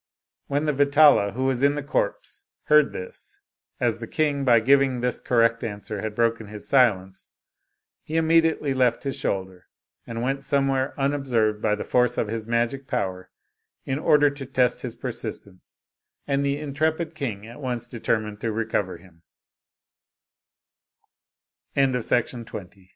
When the Vetala, who was in the corpse, heard this, as the king by giving this correct answer had broken his silence, he immediately left his shoulder, and went some where unobserved by the force of his magic power, in order to test his persistence; and the intrepid